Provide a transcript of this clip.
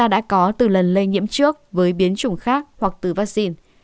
đã có từ lần lây nhiễm trước với biến chủng khác hoặc từ vaccine